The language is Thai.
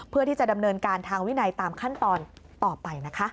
เพื่อที่จะดำเนินการทางวินัยตามขั้นตอนต่อไปนะคะ